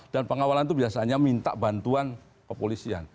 dan pengawalan itu biasanya minta bantuan kepolisian